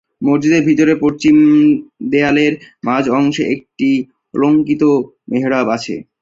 মসজিদের ভিতরে পশ্চিম দেয়ালের মাঝের অংশে একটি অলংকৃত মেহরাব আছে।